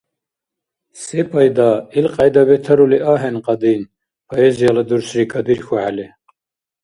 Сепайда, илкьяйда бетарули ахӀен кьадин поэзияла дурсри кадирхьухӀели.